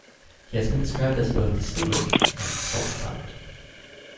He has been described as both "distinguished" and salty-tongued.